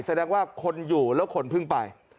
แสดงว่าคนอยู่แล้วคนเพิ่งไป